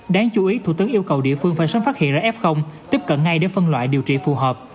đáng chú ý thủ tướng yêu cầu địa phương phải sớm phát hiện ra f tiếp cận ngay để phân loại điều trị phù hợp